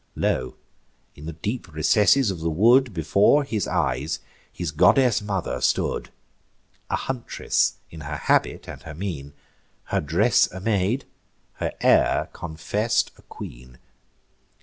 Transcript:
Lo! in the deep recesses of the wood, Before his eyes his goddess mother stood: A huntress in her habit and her mien; Her dress a maid, her air confess'd a queen.